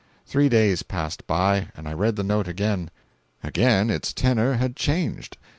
"Three days passed by, and I read the note again. Again its tenor had changed.